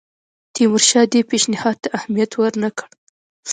تیمورشاه دې پېشنهاد ته اهمیت ورنه کړ.